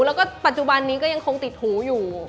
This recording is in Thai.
แล้วก็ปัจจุบันนี้ก็ยังคงติดหูอยู่